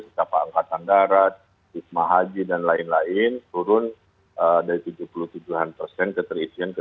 setiap angkatan darat ismah haji dan lain lain turun dari tujuh puluh tujuh an persen keterisian ke tujuh puluh